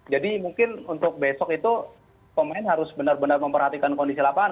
jadi mungkin untuk besok itu pemain harus benar benar memperhatikan kondisi lapangan